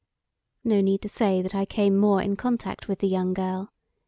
No need to say that I came more in contact with the young girl.